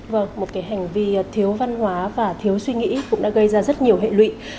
vâng một cái hành vi thiếu văn hóa và thiếu suy nghĩ cũng đã gây ra rất nhiều hệ lụy